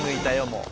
もう。